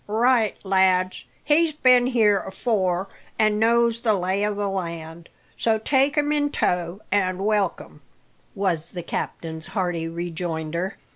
"Right, lads; he's been here afore, an' knows the lay o' the land; so take him in tow, and welcome," was the captain's hearty rejoinder.